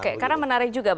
oke karena menarik juga